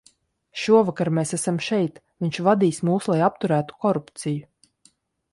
Šovakar mēs esam šeit, viņš vadīs mūs, lai apturētu korupciju.